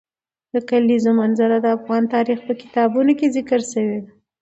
د کلیزو منظره د افغان تاریخ په کتابونو کې ذکر شوی دي.